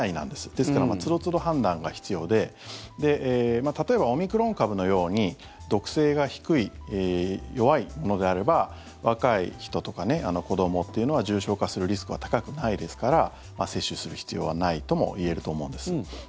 ですから、つどつど判断が必要で例えばオミクロン株のように毒性が低い、弱いのであれば若い人とか子どもっていうのは重症化するリスクは高くないですから接種する必要はないともいえると思うんです。